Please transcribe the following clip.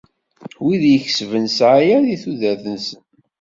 Wid i ikesben ssɛaya di tudert-nsen.